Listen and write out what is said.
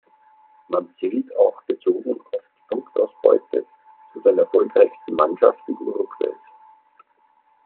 Man zählt auch bezogen auf die Punktausbeute zu den erfolgreichsten Mannschaften Uruguays.